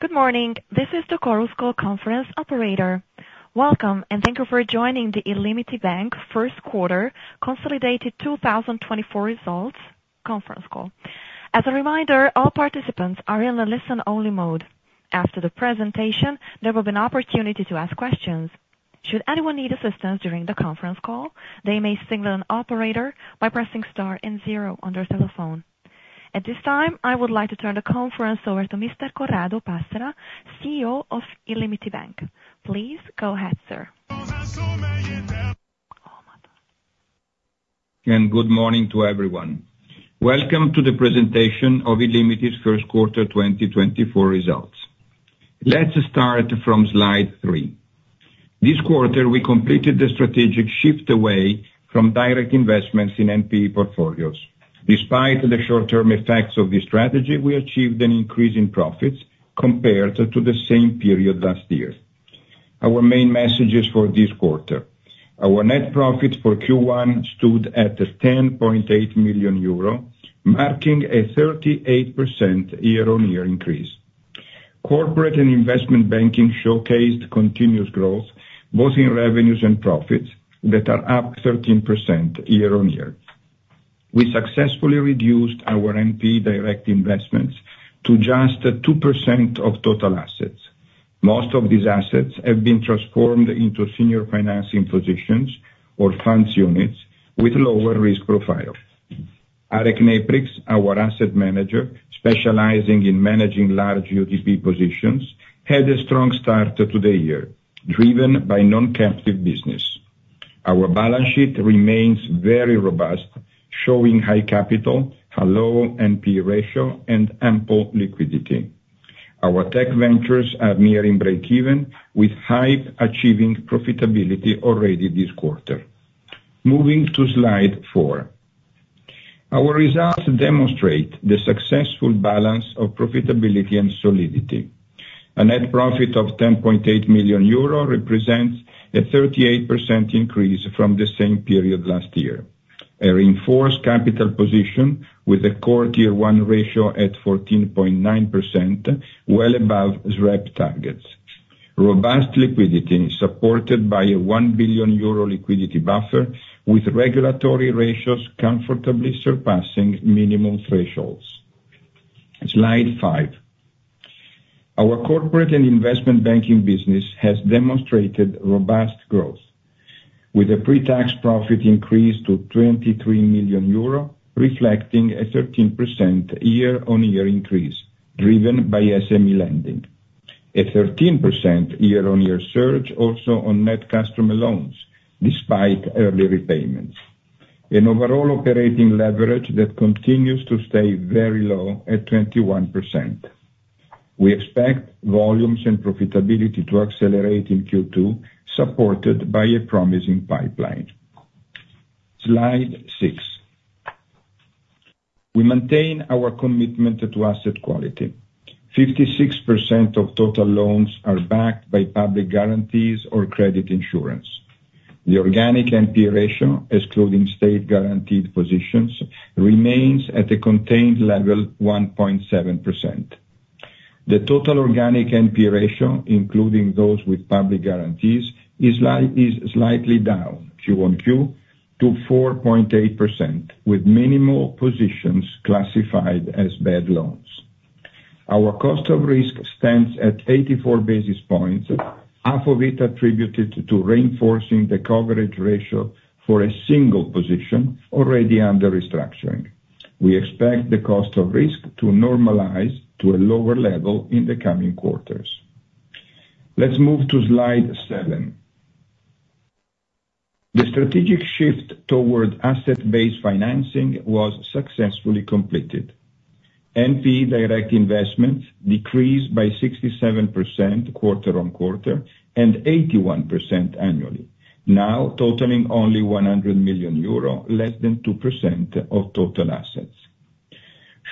Good morning. This is the Chorus Call Conference Operator. Welcome, and thank you for joining the illimity Bank first quarter consolidated 2024 results conference call. As a reminder, all participants are in the listen-only mode. After the presentation, there will be an opportunity to ask questions. Should anyone need assistance during the conference call, they may signal an operator by pressing star and zero on their telephone. At this time, I would like to turn the conference over to Mr. Corrado Passera, CEO of illimity Bank. Please go ahead, sir. Oh my God. Good morning to everyone. Welcome to the presentation of illimity's first quarter 2024 results. Let's start from slide 3. This quarter, we completed the strategic shift away from direct investments in NPE portfolios. Despite the short-term effects of this strategy, we achieved an increase in profits compared to the same period last year. Our main messages for this quarter: our net profit for Q1 stood at 10.8 million euro, marking a 38% year-on-year increase. Corporate and investment banking showcased continuous growth both in revenues and profits that are up 13% year-on-year. We successfully reduced our NPE direct investments to just 2% of total assets. Most of these assets have been transformed into senior financing positions or funds units with lower risk profiles. ARECneprix, our asset manager specializing in managing large UTP positions, had a strong start to the year driven by non-captive business. Our balance sheet remains very robust, showing high capital, a low NPE ratio, and ample liquidity. Our tech ventures are nearing break-even with HYPE achieving profitability already this quarter. Moving to slide 4. Our results demonstrate the successful balance of profitability and solidity. A net profit of 10.8 million euro represents a 38% increase from the same period last year, a reinforced capital position with a core tier one ratio at 14.9%, well above SREP targets. Robust liquidity supported by a 1 billion euro liquidity buffer with regulatory ratios comfortably surpassing minimum thresholds. Slide 5. Our corporate and investment banking business has demonstrated robust growth with a pre-tax profit increase to 23 million euro, reflecting a 13% year-on-year increase driven by SME lending. A 13% year-on-year surge also on net customer loans despite early repayments, an overall operating leverage that continues to stay very low at 21%. We expect volumes and profitability to accelerate in Q2, supported by a promising pipeline. Slide 6. We maintain our commitment to asset quality. 56% of total loans are backed by public guarantees or credit insurance. The organic NPE ratio, excluding state-guaranteed positions, remains at a contained level of 1.7%. The total organic NPE ratio, including those with public guarantees, is slightly down QoQ to 4.8% with minimal positions classified as bad loans. Our cost of risk stands at 84 basis points, half of it attributed to reinforcing the coverage ratio for a single position already under restructuring. We expect the cost of risk to normalize to a lower level in the coming quarters. Let's move to slide 7. The strategic shift toward asset-based financing was successfully completed. NPE direct investments decreased by 67% quarter-on-quarter and 81% annually, now totaling only 100 million euro, less than 2% of total assets.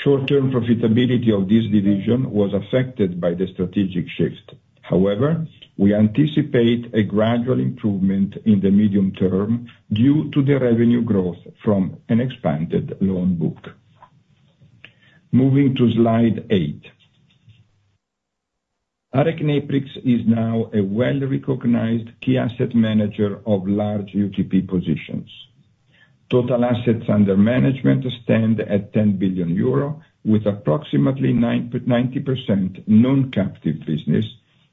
Short-term profitability of this division was affected by the strategic shift. However, we anticipate a gradual improvement in the medium term due to the revenue growth from an expanded loan book. Moving to slide 8. ARECneprix is now a well-recognized key asset manager of large UTP positions. Total assets under management stand at 10 billion euro, with approximately 90% non-captive business,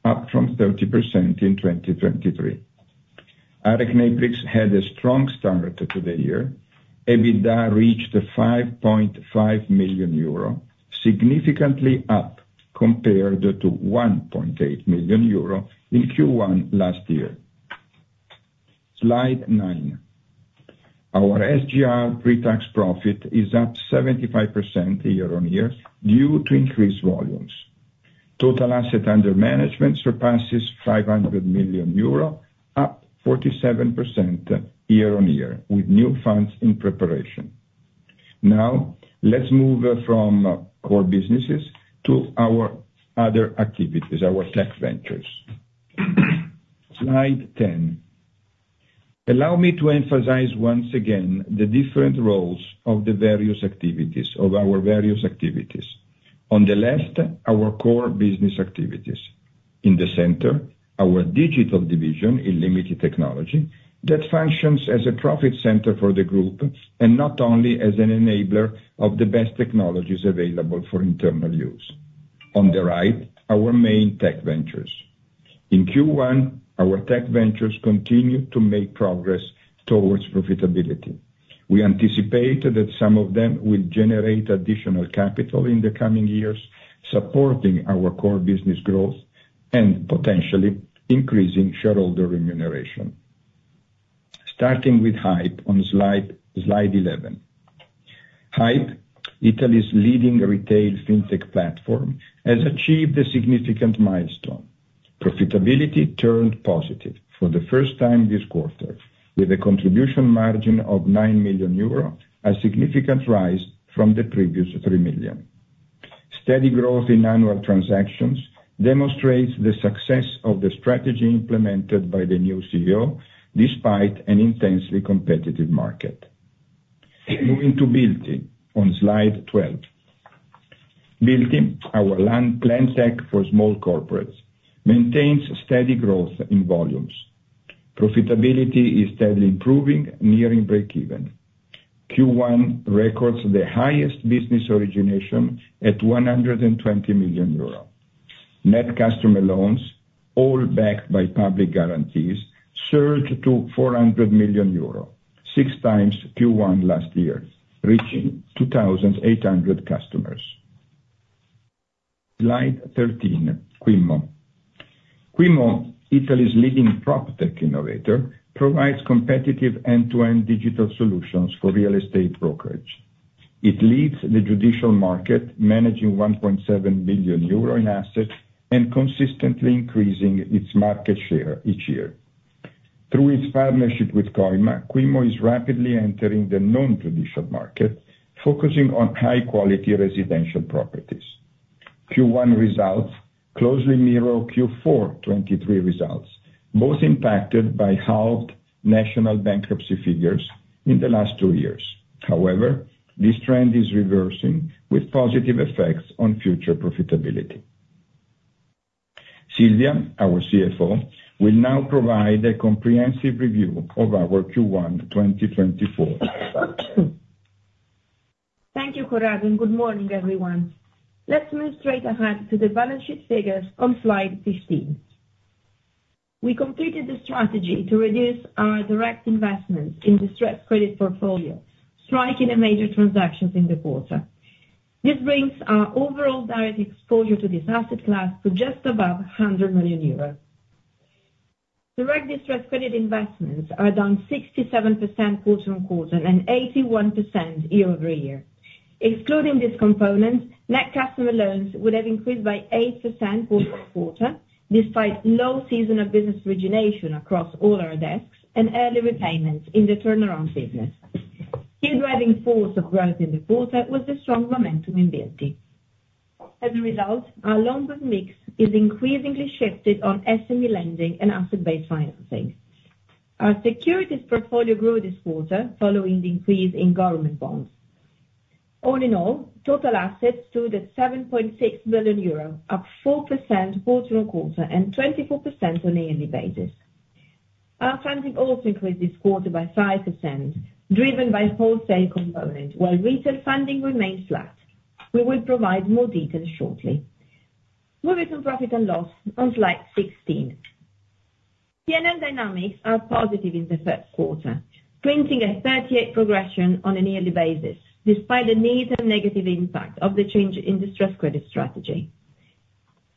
up from 30% in 2023. ARECneprix had a strong start to the year. EBITDA reached 5.5 million euro, significantly up compared to 1.8 million euro in Q1 last year. Slide 9. Our SGR pre-tax profit is up 75% year-on-year due to increased volumes. Total asset under management surpasses 500 million euro, up 47% year-on-year with new funds in preparation. Now, let's move from core businesses to our other activities, our tech ventures. Slide 10. Allow me to emphasize once again the different roles of the various activities of our various activities. On the left, our core business activities. In the center, our digital division, illimity Technology, that functions as a profit center for the group and not only as an enabler of the best technologies available for internal use. On the right, our main tech ventures. In Q1, our tech ventures continue to make progress towards profitability. We anticipate that some of them will generate additional capital in the coming years, supporting our core business growth and potentially increasing shareholder remuneration. Starting with HYPE on slide 11. HYPE, Italy's leading retail fintech platform, has achieved a significant milestone. Profitability turned positive for the first time this quarter, with a contribution margin of 9 million euro, a significant rise from the previous 3 million. Steady growth in annual transactions demonstrates the success of the strategy implemented by the new CEO despite an intensely competitive market. Moving to b-ilty on slide 12. b-ilty, our fintech for small corporates, maintains steady growth in volumes. Profitability is steadily improving, nearing break-even. Q1 records the highest business origination at 120 million euro. Net customer loans, all backed by public guarantees, surged to 400 million euro, six times Q1 last year, reaching 2,800 customers. Slide 13, Quimmo. Quimmo, Italy's leading proptech innovator, provides competitive end-to-end digital solutions for real estate brokerage. It leads the judicial market, managing 1.7 billion euro in assets and consistently increasing its market share each year. Through its partnership with COIMA, Quimmo is rapidly entering the non-judicial market, focusing on high-quality residential properties. Q1 results closely mirror Q4/2023 results, both impacted by halved national bankruptcy figures in the last two years. However, this trend is reversing with positive effects on future profitability. Silvia, our CFO, will now provide a comprehensive review of our Q1/2024. Thank you, Corrado. Good morning, everyone. Let's move straight ahead to the balance sheet figures on slide 15. We completed the strategy to reduce our direct investments in distressed credit portfolio, striking a major transaction in the quarter. This brings our overall direct exposure to this asset class to just above 100 million euros. Direct distressed credit investments are down 67% quarter-on-quarter and 81% year-over-year. Excluding this component, net customer loans would have increased by 8% quarter-on-quarter despite low season of business origination across all our desks and early repayments in the turnaround business. Key driving force of growth in the quarter was the strong momentum in b-ilty. As a result, our loan-based mix is increasingly shifted on SME lending and asset-based financing. Our securities portfolio grew this quarter following the increase in government bonds. All in all, total assets stood at 7.6 billion euros, up 4% quarter-on-quarter and 24% on a yearly basis. Our funding also increased this quarter by 5%, driven by wholesale component, while retail funding remained flat. We will provide more details shortly. Moving to profit and loss on slide 16. P&L dynamics are positive in the first quarter, printing a 38% progression on a yearly basis despite the net and negative impact of the change in distressed credit strategy.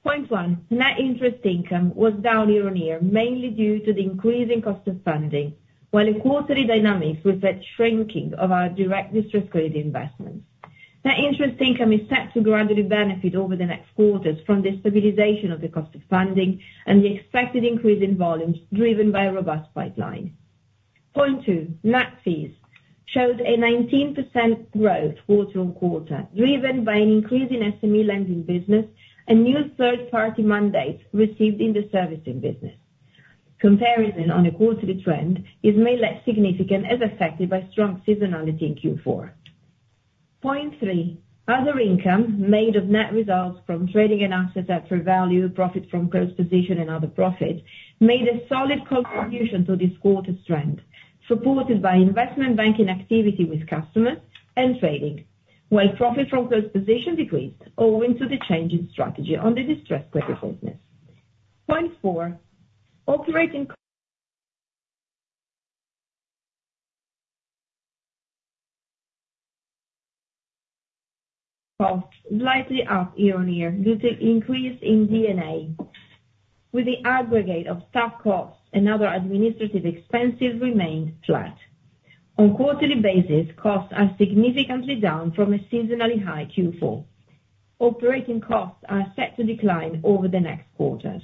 Point one, net interest income was down year-on-year, mainly due to the increasing cost of funding, while the quarterly dynamics reflect shrinking of our direct distressed credit investments. Net interest income is set to gradually benefit over the next quarters from the stabilization of the cost of funding and the expected increase in volumes driven by a robust pipeline. Point two, net fees showed a 19% growth quarter-on-quarter driven by an increase in SME lending business and new third-party mandates received in the servicing business. Comparison on a quarterly trend is made less significant as affected by strong seasonality in Q4. Point three, other income made of net results from trading an asset at fair value, profit from close position, and other profits made a solid contribution to this quarter's trend, supported by investment banking activity with customers and trading, while profit from close position decreased owing to the change in strategy on the distressed credit business. Point four, operating costs slightly up year-on-year due to the increase in D&A. With the aggregate of staff costs and other administrative expenses remained flat. On quarterly basis, costs are significantly down from a seasonally high Q4. Operating costs are set to decline over the next quarters.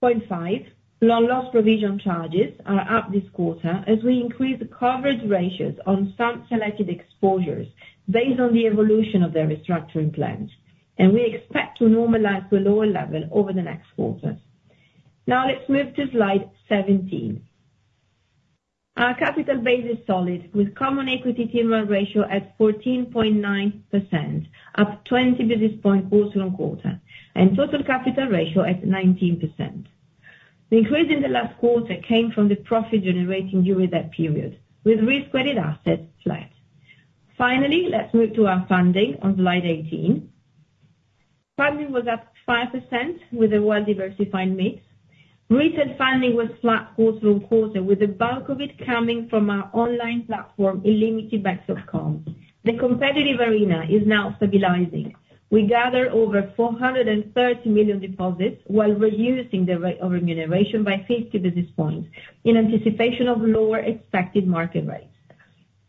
Point five, loan loss provision charges are up this quarter as we increase coverage ratios on some selected exposures based on the evolution of their restructuring plans, and we expect to normalize to a lower level over the next quarters. Now, let's move to slide 17. Our capital base is solid with common equity Tier 1 ratio at 14.9%, up 20 basis points quarter-on-quarter, and total capital ratio at 19%. The increase in the last quarter came from the profits generated during that period, with risk-weighted assets flat. Finally, let's move to our funding on slide 18. Funding was up 5% with a well-diversified mix. Retail funding was flat quarter-on-quarter, with the bulk of it coming from our online platform, illimitybank.com. The competitive arena is now stabilizing. We gather over 430 million deposits while reducing the rate of remuneration by 50 basis points in anticipation of lower expected market rates.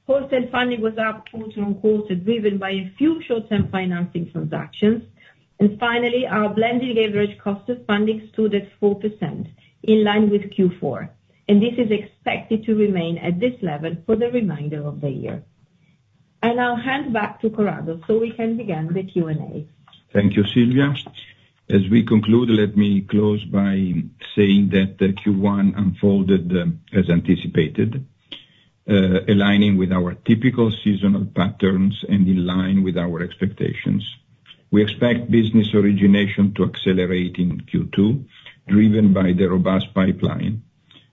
Wholesale funding was up quarter on quarter driven by a few short-term financing transactions. Finally, our blended leverage cost of funding stood at 4% in line with Q4, and this is expected to remain at this level for the remainder of the year. I now hand back to Corrado so we can begin the Q&A. Thank you, Silvia. As we conclude, let me close by saying that Q1 unfolded as anticipated, aligning with our typical seasonal patterns and in line with our expectations. We expect business origination to accelerate in Q2 driven by the robust pipeline.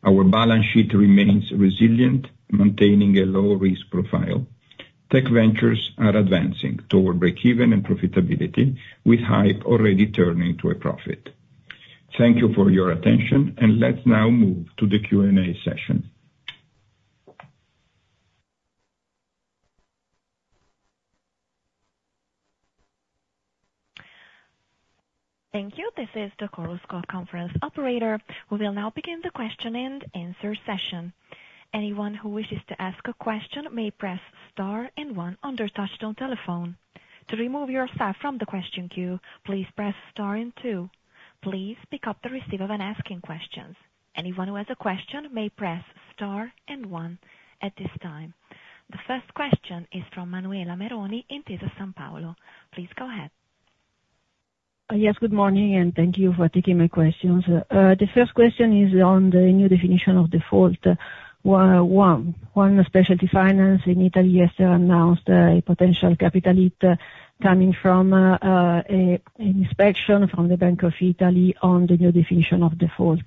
Our balance sheet remains resilient, maintaining a low-risk profile. Tech ventures are advancing toward break-even and profitability, with HYPE already turning to a profit. Thank you for your attention, and let's now move to the Q&A session. Thank you. This is the Chorus Call Conference Operator. We will now begin the question and answer session. Anyone who wishes to ask a question may press star and one on their touch-tone telephone. To remove yourself from the question queue, please press star and two. Please pick up the receiver when asking questions. Anyone who has a question may press star and one at this time. The first question is from Manuela Meroni in Intesa Sanpaolo. Please go ahead. Yes. Good morning, and thank you for taking my questions. The first question is on the new definition of default. One specialty finance in Italy yesterday announced a potential capital hit coming from an inspection from the Bank of Italy on the new definition of default.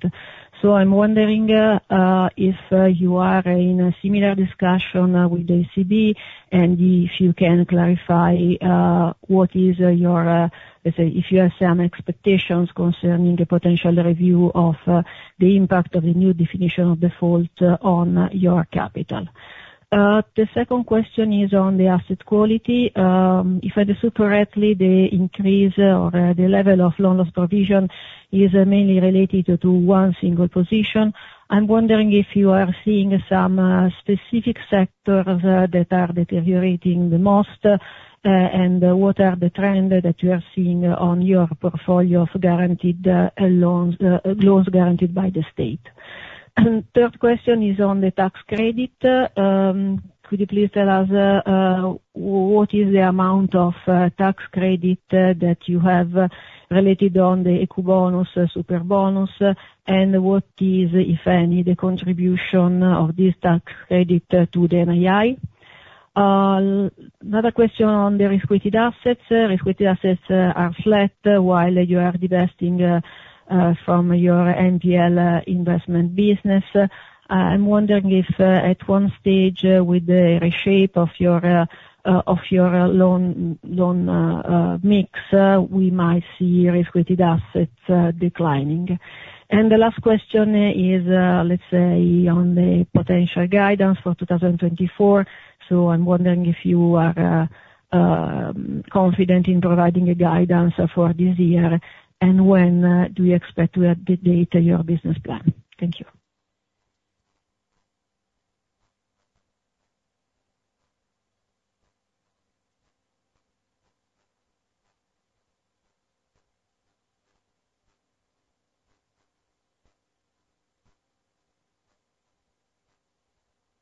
So I'm wondering if you are in a similar discussion with the ECB and if you can clarify what is your if you have some expectations concerning a potential review of the impact of the new definition of default on your capital. The second question is on the asset quality. If I understood correctly, the increase or the level of loan loss provision is mainly related to one single position. I'm wondering if you are seeing some specific sectors that are deteriorating the most, and what are the trends that you are seeing on your portfolio of loans guaranteed by the state. The third question is on the tax credit. Could you please tell us what is the amount of tax credit that you have related on the Ecobonus, Superbonus, and what is, if any, the contribution of this tax credit to the NII? Another question on the risk-weighted assets. Risk-weighted assets are flat while you are divesting from your NPL investment business. I'm wondering if at one stage, with the reshape of your loan mix, we might see risk-weighted assets declining. The last question is, let's say, on the potential guidance for 2024. So I'm wondering if you are confident in providing a guidance for this year, and when do you expect to update your business plan? Thank you.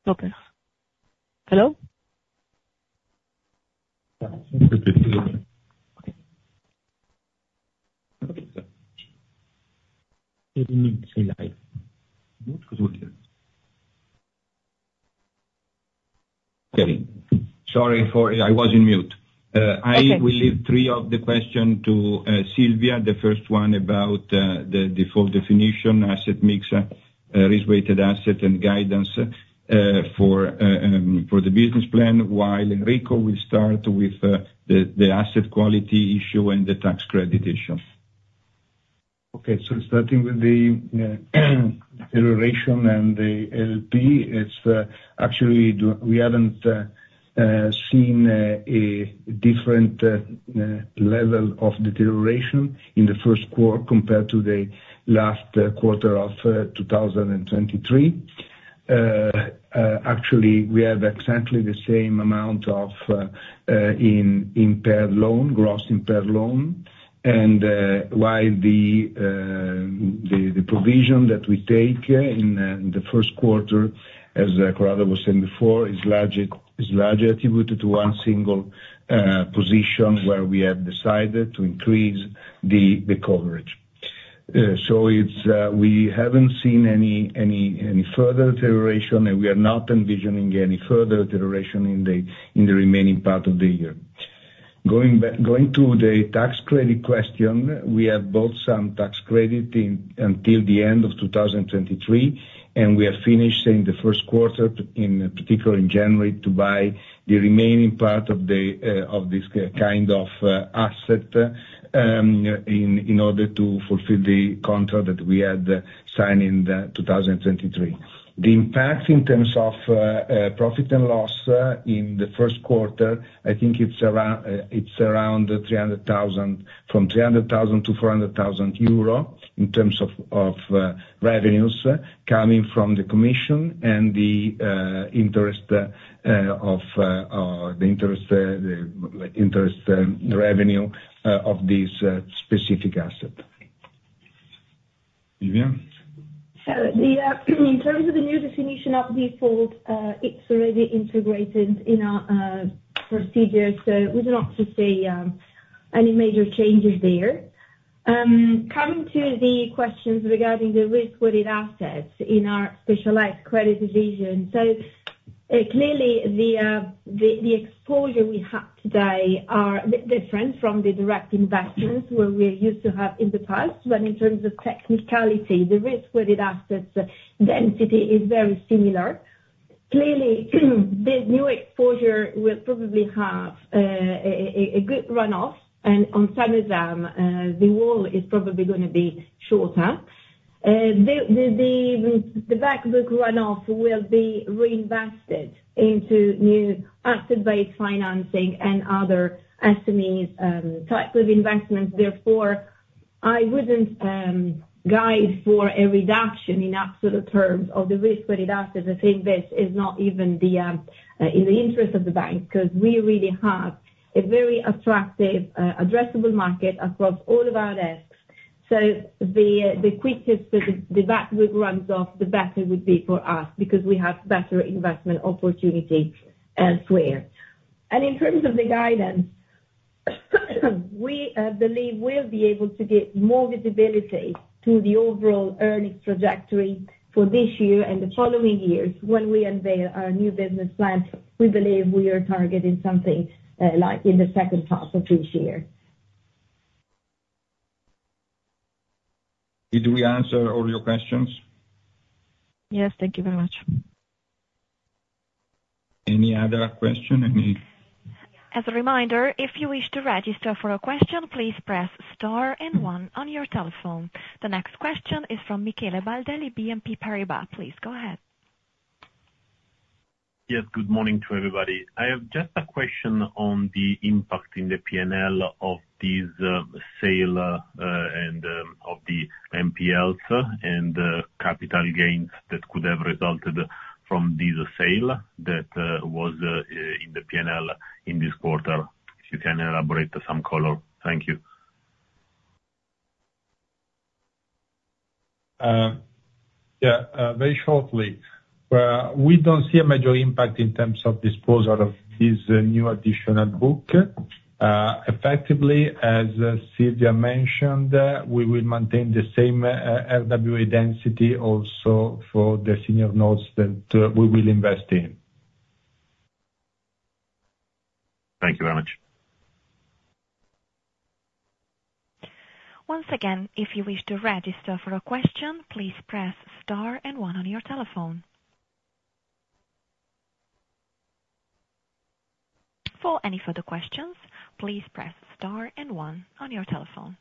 Okay. Hello? Yeah. It's good to hear you. Okay. Okay. It's a little bit too loud. Mute because we're here. Okay. Sorry, I was on mute. I will leave three of the questions to Silvia. The first one about the default definition, asset mix, risk-weighted asset, and guidance for the business plan, while Enrico will start with the asset quality issue and the tax credit issue. Okay. So starting with the deterioration and the NPL, actually, we haven't seen a different level of deterioration in the first quarter compared to the last quarter of 2023. Actually, we have exactly the same amount of impaired loan, gross impaired loan. And while the provision that we take in the first quarter, as Corrado was saying before, is largely attributed to one single position where we have decided to increase the coverage. So we haven't seen any further deterioration, and we are not envisioning any further deterioration in the remaining part of the year. Going to the tax credit question, we have bought some tax credit until the end of 2023, and we have finished in the first quarter, particularly in January, to buy the remaining part of this kind of asset in order to fulfill the contract that we had signed in 2023. The impact in terms of profit and loss in the first quarter, I think it's around 300,000, from 300,000-400,000 euro in terms of revenues coming from the commission and the interest revenue of this specific asset. Silvia? In terms of the new definition of default, it's already integrated in our procedures, so we do not see any major changes there. Coming to the questions regarding the risk-credit assets in our specialized credit division, so clearly, the exposure we have today are different from the direct investments where we are used to have in the past. In terms of technicality, the risk-credit assets density is very similar. Clearly, this new exposure will probably have a good runoff, and on some of them, the WAL is probably going to be shorter. The backbook runoff will be reinvested into new asset-based financing and other SMEs type of investments. Therefore, I wouldn't guide for a reduction in absolute terms of the risk-credit assets. I think this is not even in the interest of the bank because we really have a very attractive, addressable market across all of our desks. The quickest the backbook runs off, the better would be for us because we have better investment opportunity elsewhere. In terms of the guidance, we believe we'll be able to get more visibility to the overall earnings trajectory for this year and the following years. When we unveil our new business plan, we believe we are targeting something in the second half of this year. Did we answer all your questions? Yes. Thank you very much. Any other question? Any? As a reminder, if you wish to register for a question, please press star and one on your telephone. The next question is from Michele Baldelli, BNP Paribas. Please go ahead. Yes. Good morning to everybody. I have just a question on the impact in the P&L of this sale and of the NPLs and capital gains that could have resulted from this sale that was in the P&L in this quarter. If you can elaborate some color? Thank you. Yeah. Very shortly. We don't see a major impact in terms of disposal of this new additional book. Effectively, as Silvia mentioned, we will maintain the same RWA density also for the senior notes that we will invest in. Thank you very much. Once again, if you wish to register for a question, please press star and one on your telephone. For any further questions, please press star and one on your telephone.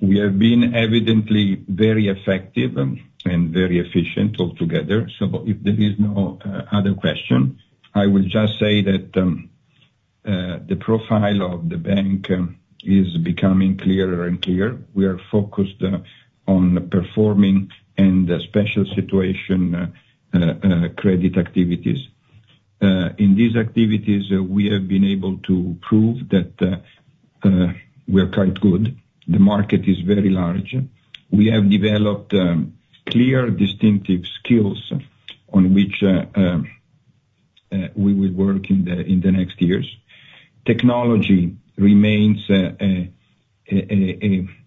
We have been evidently very effective and very efficient altogether. If there is no other question, I will just say that the profile of the bank is becoming clearer and clearer. We are focused on performing and special situation credit activities. In these activities, we have been able to prove that we are quite good. The market is very large. We have developed clear, distinctive skills on which we will work in the next years. Technology remains a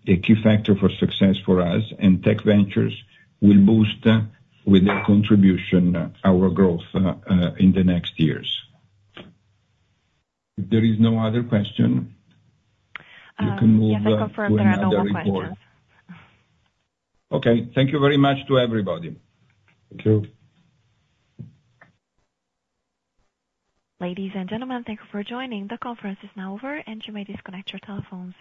key factor for success for us, and tech ventures will boost with their contribution our growth in the next years. If there is no other question, you can move on to the record. Yeah. Let me confirm there are no more questions. Okay. Thank you very much to everybody. Thank you. Ladies and gentlemen, thank you for joining. The conference is now over, and you may disconnect your telephones.